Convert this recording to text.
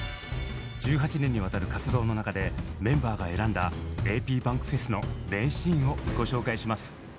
１８年にわたる活動の中でメンバーが選んだａｐｂａｎｋｆｅｓの名シーンをご紹介します。